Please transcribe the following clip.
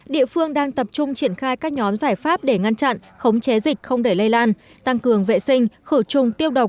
địa phương đang tập trung triển khai các nhóm giải pháp để ngăn chặn khống chế dịch không để lây lan tăng cường vệ sinh khử trùng tiêu độc